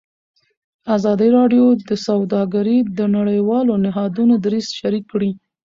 ازادي راډیو د سوداګري د نړیوالو نهادونو دریځ شریک کړی.